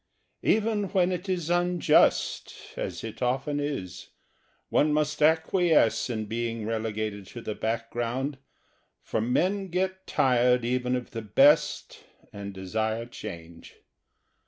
Even when it is unjust, as it often is, one must acquiesce in being relegated to the back ground, for men get tired even of the best and desire change.